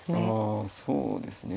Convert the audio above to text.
あそうですね。